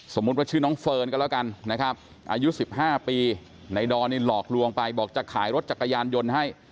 ว่าชื่อน้องเฟิร์นก็แล้วกันนะครับอายุ๑๕ปีในดอนนี่หลอกลวงไปบอกจะขายรถจักรยานยนต์ให้